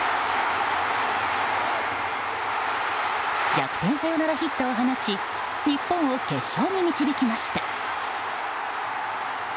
逆転サヨナラヒットを放ち日本を決勝に導きました。